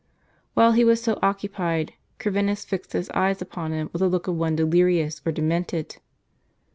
While he was so occupied, Corvinus fixed his eyes upon him with a look of one delirious, or demented.